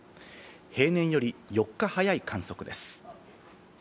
平年より４日早い観測です。